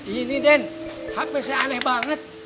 ini den hp saya aneh banget